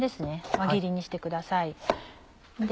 輪切りにしてください。